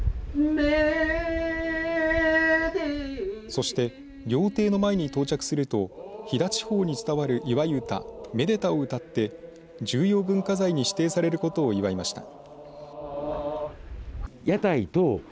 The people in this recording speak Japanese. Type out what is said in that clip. そして料亭の前に到着すると飛騨地方に伝わる祝い唄めでたを歌って重要文化財に指定されることを祝いました。